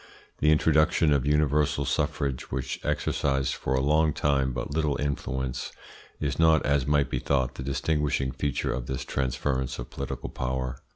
The introduction of universal suffrage, which exercised for a long time but little influence, is not, as might be thought, the distinguishing feature of this transference of political power.